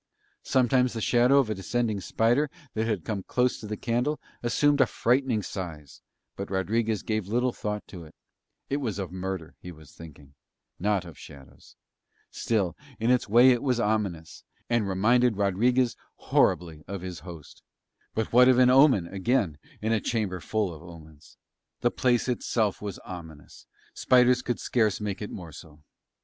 Sometimes the shadow of a descending spider that had come close to the candle assumed a frightening size, but Rodriguez gave little thought to it; it was of murder he was thinking, not of shadows; still, in its way it was ominous, and reminded Rodriguez horribly of his host; but what of an omen, again, in a chamber full of omens. The place itself was ominous; spiders could scarce make it more so.